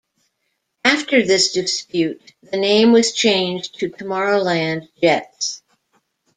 After this dispute, the name was changed to Tomorrowland Jets.